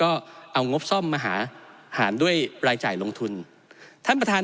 ที่เราจะต้องลดความเหลื่อมล้ำโดยการแก้ปัญหาเชิงโครงสร้างของงบประมาณ